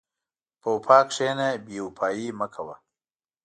په وفا کښېنه، بېوفایي مه کوه.